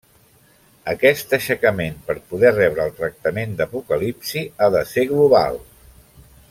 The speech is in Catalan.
Aquest aixecament, per poder rebre el tractament d'apocalipsi, ha de ser global.